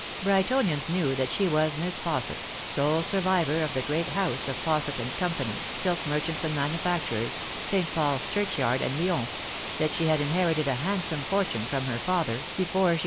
Brightonians knew that she was Miss Fausset, sole survivor of the great house of Fausset & Company, silk merchants and manufacturers, St. Paul's Churchyard and Lyons ; that she had inherited a handsome fortune from her father before she L \ 162 The Fatal Tfiree.